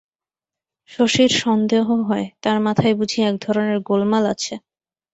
শশীর সন্দেহ হয়, তার মাথায় বুঝি একধরনের গোলমাল আছে।